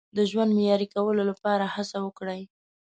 د ژوند معیاري کولو لپاره هڅه وکړئ.